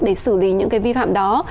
để xử lý những cái vi phạm đó